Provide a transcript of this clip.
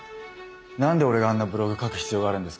何で俺があんなブログ書く必要があるんですか？